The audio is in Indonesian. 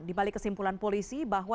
dibalik kesimpulan polisi bahwa